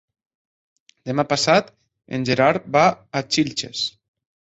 Demà passat en Gerard va a Xilxes.